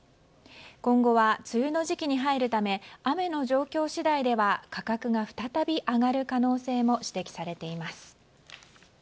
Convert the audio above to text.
今後は梅雨の時期に入るため雨の状況次第では価格が再び上がる可能性も指摘されています。